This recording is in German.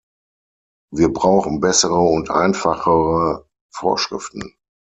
Wir brauchen bessere und einfachere Vorschriften.